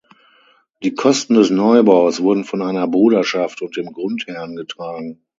Die Kosten des Neubaus wurden von einer Bruderschaft und dem Grundherrn getragen.